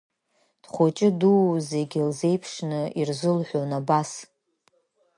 Дхәыҷы, дду зегь лзеиԥшны ирзылҳәон абас…